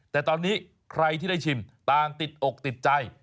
แต่ตอนนี้ใครที่ได้ชิมต่างติดอกติดใจ